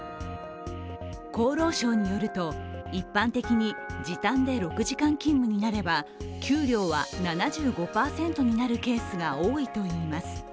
厚労省によると、一般的に時短で６時間勤務になれば給料は７５％になるケースが多いといいます。